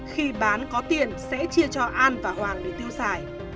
khi bán có tiền sẽ chia cho an và hoàng để tiêu xài